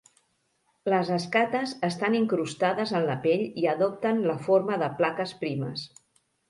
Les escates estan incrustades en la pell i adopten la forma de plaques primes.